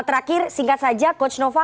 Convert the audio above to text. terakhir singkat saja coach nova